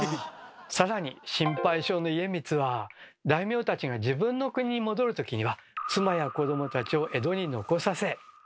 更に心配性の家光は大名たちが自分の国に戻る時には妻や子どもたちを江戸に残させ人質にしたのです。